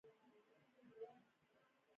ښځه مور ده